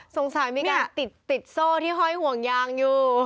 สงสัยมีใครติดโซ่ที่ห้อยห่วงยางอยู่